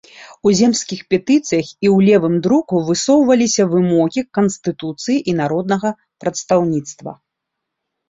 У земскіх петыцыях і ў левым друку высоўваліся вымогі канстытуцыі і народнага прадстаўніцтва.